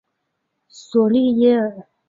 索利耶尔。